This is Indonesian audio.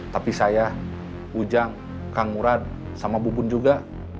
tapi saya ujang kang murad sama bubun juga